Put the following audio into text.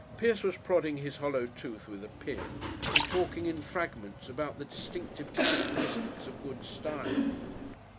Pierce was prodding his hollow tooth with a pin and talking in fragments about the distinctive characteristics of Good Style.